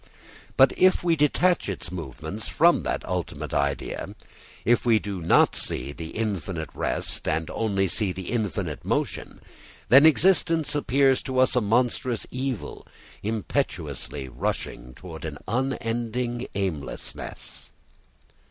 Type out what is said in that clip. But if we detach its movements from that ultimate idea, if we do not see the infinite rest and only see the infinite motion, then existence appears to us a monstrous evil, impetuously rushing towards an unending aimlessness.